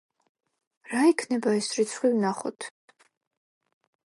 რა იქნება ეს რიცხვი ვნახოთ.